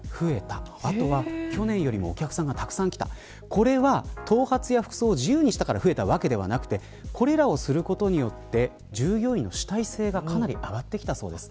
これは頭髪や服装を自由にしたから増えたわけではなくてこれらをすることによって従業員の主体性がかなり上がってきたそうです。